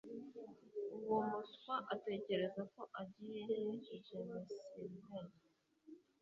Uwo muswa atekereza ko agiye he jamessilver